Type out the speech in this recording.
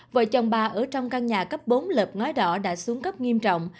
vợ chồng bà ở trong căn nhà cấp bốn lợp ngói đỏ đã xuống cấp nghiêm trọng